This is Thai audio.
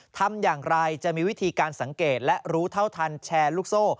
ทำอย่างไรจะมีวิธีการสังเกตและรู้เท่าทันแชร์ลูกโซ่